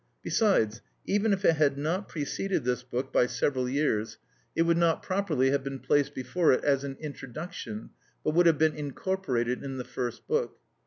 Besides, even if it had not preceded this book by several years, it would not properly have been placed before it as an introduction, but would have been incorporated in the first book.